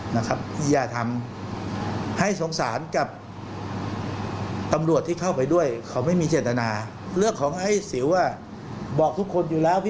น้ำตาคลอเลยนะครับ